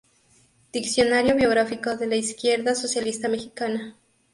Diccionario biográfico de la izquierda socialista mexicana".